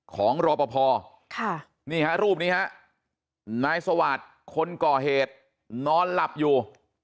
ของรบพรูปนี้นายสวาทคนก่อเหตุนอนหลับอยู่